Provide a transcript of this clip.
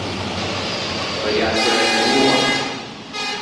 Saià squæxi unn’oa.